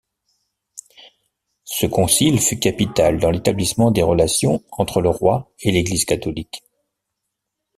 Ce concile fut capital dans l'établissement des relations entre le roi et l'Église catholique.